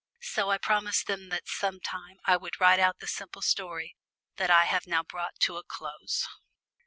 So I promised them that sometime I would write out the simple story that I have now brought to a close.